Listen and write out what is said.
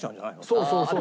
そうそうそうそう。